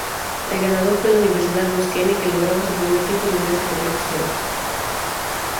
El ganador fue la Universidad Duquesne, que lograba su primer título en esta competición.